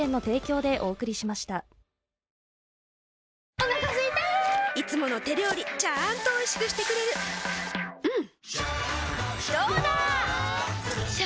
お腹すいたいつもの手料理ちゃんとおいしくしてくれるジューうんどうだわ！